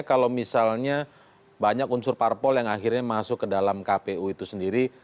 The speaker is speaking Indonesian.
kalau misalnya banyak unsur parpol yang akhirnya masuk ke dalam kpu itu sendiri